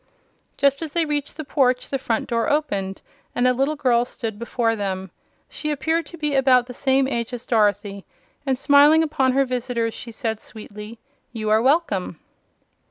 Just as they reached the porch the front door opened and a little girl stood before them. She appeared to be about the same age as Dorothy, and smiling upon her visitors she said, sweetly: "You are welcome."